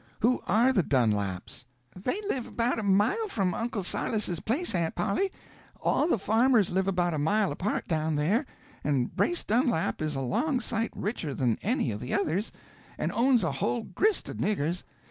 Who are the Dunlaps?" "They live about a mile from Uncle Silas's place, Aunt Polly—all the farmers live about a mile apart down there—and Brace Dunlap is a long sight richer than any of the others, and owns a whole grist of niggers.